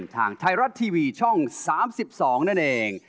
ทางไทยรัฐทีวีช่อง๓๒นั่นเอง